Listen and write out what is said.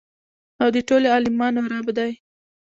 او د ټولو عالميانو رب دى.